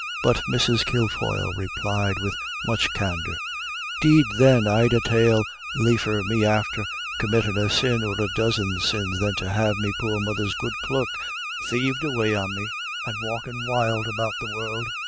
But Mrs. Kilfoyle replied with much candor, "'Deed, then, I'd a dale liefer be after committin' a sin, or a dozen sins, than to have me poor mother's good cloak thieved away on me, and walkin' wild about the world."